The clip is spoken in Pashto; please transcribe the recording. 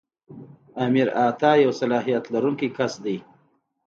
آمر اعطا یو صلاحیت لرونکی کس دی.